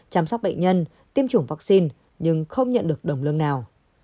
chăm sóc bệnh nhân tiêm chủng vaccine nhưng không nhận được đồng lương nào